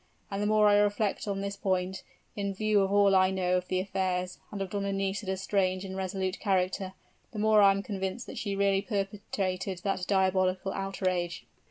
And the more I reflect on this point, in view of all I know of the affairs, and of Donna Nisida's strange and resolute character, the more I am convinced that she really perpetrated that diabolical outrage."